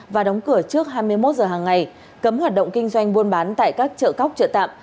và đóng cửa trước hai mươi một giờ hàng ngày cấm hoạt động kinh doanh buôn bán tại các chợ cóc chợ tạm